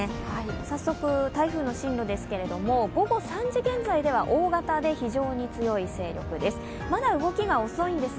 早速、台風の進路ですけれども午後３時現在では大型で非常に強い勢力です。